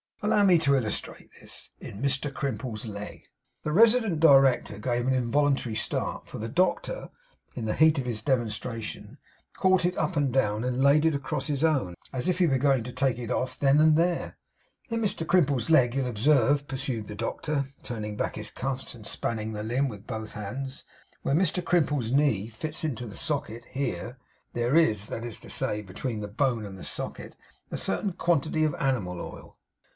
Allow me to illustrate this. In Mr Crimple's leg ' The resident Director gave an involuntary start, for the doctor, in the heat of his demonstration, caught it up and laid it across his own, as if he were going to take it off, then and there. 'In Mr Crimple's leg, you'll observe,' pursued the doctor, turning back his cuffs and spanning the limb with both hands, 'where Mr Crimple's knee fits into the socket, here, there is that is to say, between the bone and the socket a certain quantity of animal oil.